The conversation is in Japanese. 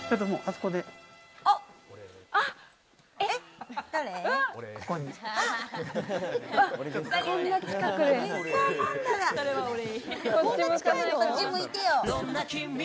こっち向いてよ！